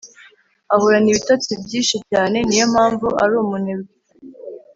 Ahorana ibitotsi byishi cyane niyompamvu aru munebwe